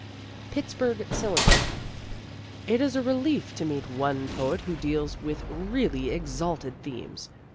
Pittsburgh Cylinder: It is a relief to meet one poet who deals with really exalted themes.